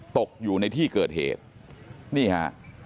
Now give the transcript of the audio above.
ตกอยู่ในที่เกิดเหตุนี่ฮะ